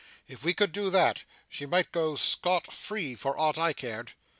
If we could do that, she might go scot free for aught I cared.